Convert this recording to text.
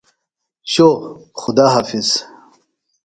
شو خدا حافظ۔